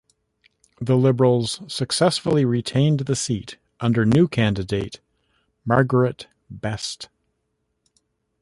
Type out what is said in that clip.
The Liberals successfully retained the seat under new candidate Margarett Best.